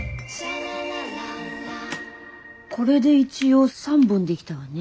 これで一応３本できたわね。